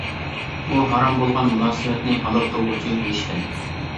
ئۇ ھارام بولغان مۇناسىۋەتنى ھالال قىلغۇچى رىشتە.